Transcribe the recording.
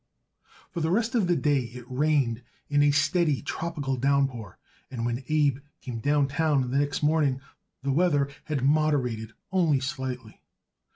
For the rest of the day it rained in a steady, tropical downpour, and when Abe came downtown the next morning the weather had moderated only slightly.